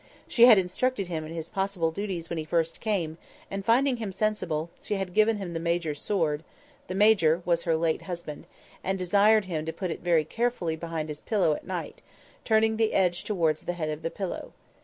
She had instructed him in his possible duties when he first came; and, finding him sensible, she had given him the Major's sword (the Major was her late husband), and desired him to put it very carefully behind his pillow at night, turning the edge towards the head of the pillow.